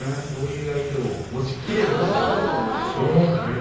そういう相手を押して切れるかということですね。